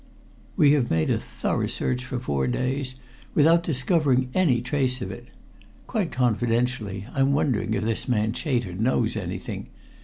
We have made a thorough search for four days, without discovering any trace of it. Quite confidentially, I'm wondering if this man Chater knows anything.